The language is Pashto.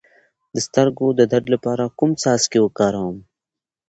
د سترګو د درد لپاره کوم څاڅکي وکاروم؟